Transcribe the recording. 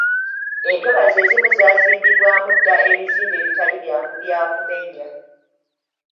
Entobazi ezimu zaazimbibwamu dda ebizimbe ebitali byangu bya kumenya.